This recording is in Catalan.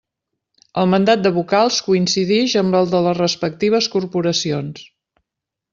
El mandat de vocals coincidix amb el de les respectives corporacions.